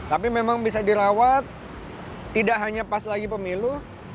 tapi memang bisa dirawat tidak hanya pas lagi pemilu